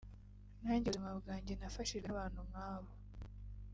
nanjye ubuzima bwanjye nafashijwe n’ abantu nk’abo